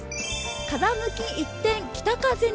風向き一転、北風に。